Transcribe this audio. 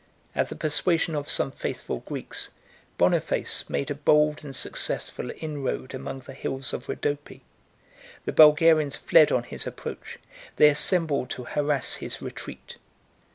At the persuasion of some faithful Greeks, Boniface made a bold and successful inroad among the hills of Rhodope: the Bulgarians fled on his approach; they assembled to harass his retreat.